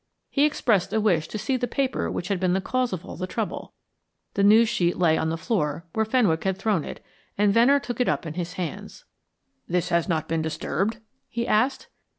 He expressed a wish to see the paper which had been the cause of all the trouble. The news sheet lay on the floor where Fenwick had thrown it, and Venner took it up in his hands. "This has not been disturbed?" he asked.